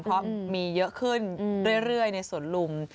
เพราะมีเยอะขึ้นเรื่อยในสวนลุม